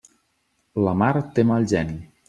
La mar té mal geni.